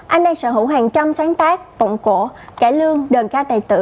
anh đang sở hữu hàng trăm sáng tác phộng cổ cải lương đần ca tài tử